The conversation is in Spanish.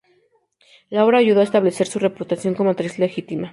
La obra ayudó a establecer su reputación como actriz legítima.